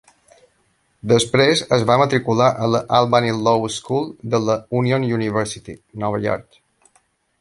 Després es va matricular a la Albany Law School de la Union University, Nova York.